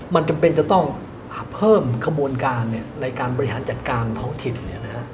มันจำเป็นจะต้องเพิ่มขบวนการในการบริหารจัดการท้องถิ่น